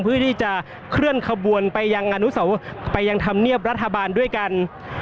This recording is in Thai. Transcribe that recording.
เพื่อที่จะเคลื่อนขบวนไปยังทำเนียบรัฐบาลด้วยกัน